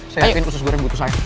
saya yakin khusus goreng butuh saya